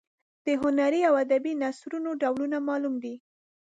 د هنري او ادبي نثرونو ډولونه معلوم دي.